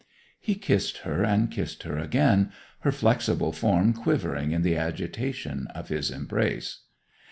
He kissed her and kissed her again, her flexible form quivering in the agitation of his embrace.